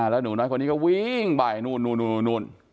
แล้วหนูน้อยคนนี้ก็วิ่งไปนู่น